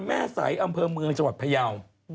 แม่ไสน์อำเภอมืองในจัวร์พญาว